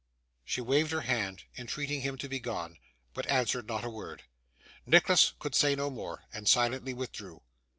She waved her hand, entreating him to be gone, but answered not a word. Nicholas could say no more, and silently withdrew.